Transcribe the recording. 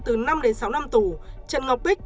từ năm đến sáu năm tù trần ngọc bích